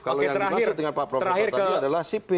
kalau yang dimaksud dengan pak profesor tadi adalah sipil